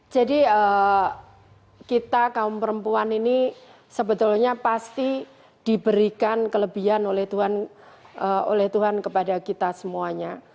jadi kita kaum perempuan ini sebetulnya pasti diberikan kelebihan oleh tuhan kepada kita semuanya